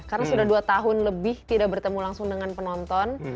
karena sudah dua tahun lebih tidak bertemu langsung dengan penonton